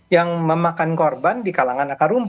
yang memakan korban di kalangan akar rumput